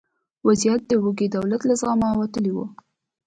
وضعیت د ویګي دولت له زغمه وتلی و.